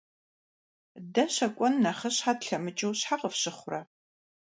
Дэ щэкӀуэн нэхъыщхьэ тлъэмыкӀыну щхьэ къыфщыхъурэ?